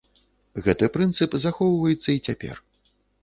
Гэты прынцып захоўваецца і цяпер.